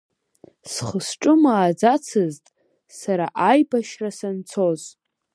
Схы-сҿы мааӡацызт сара аибашьра санцоз.